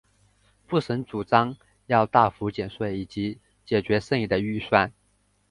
布什主张要大幅减税以解决剩余的预算。